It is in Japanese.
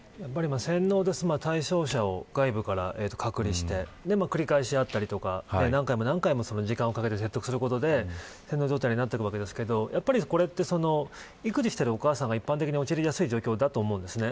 洗脳で対象者を外部から隔離して繰り返し何回も時間をかけて説得することで洗脳状態になったわけですが育児してるお母さんが一般的に陥りやすい状況だと思います。